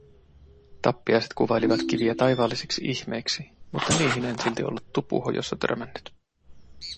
Tappiaiset kuvailivat kiviä taivaallisiksi ihmeiksi, mutta niihin en silti ollut Tupuhojossa törmännyt.